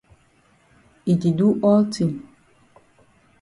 E di do all tin.